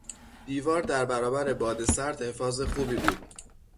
دیوار در برابر باد سرد حفاظ خوبی بود.